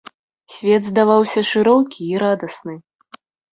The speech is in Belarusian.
Свет здаваўся шырокі і радасны.